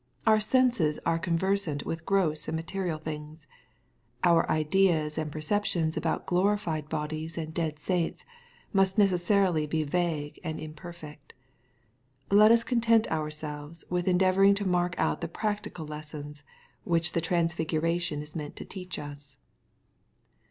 Our senses are conversant with gross and material things. Our ideas and perceptions about glorified bodies and dead saints, must necessarily be vague and imperfect. Let us content ourselves with endeavor ing to mark out the practical lessons which the trans figuration is meant to teach us.